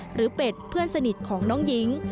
หรือเฺ็ตเพื่อนสนิทของน้องหญิง